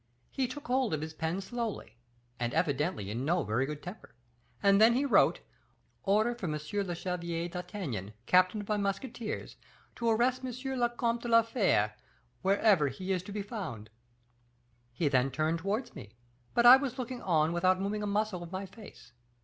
He took hold of his pen slowly, and evidently in no very good temper; and then he wrote, 'Order for M. le Chevalier d'Artagnan, captain of my musketeers, to arrest M. le Comte de la Fere, wherever he is to be found.' He then turned towards me; but I was looking on without moving a muscle of my face.